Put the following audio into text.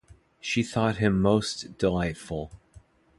She thought him most delightful.